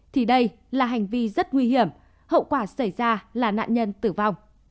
thì đây là hành vi rất nguy hiểm hậu quả xảy ra là nạn nhân tử vong